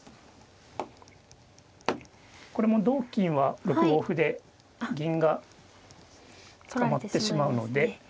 これも同金は６五歩で銀が捕まってしまうので。